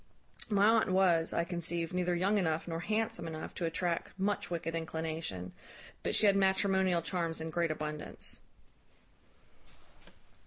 My aunt was, I conceived, neither young enough nor handsome enough to attract much wicked inclination; but she had matrimonial charms in great abundance.